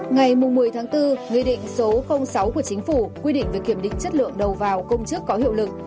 ngày một mươi tháng bốn nghị định số sáu của chính phủ quy định về kiểm định chất lượng đầu vào công chức có hiệu lực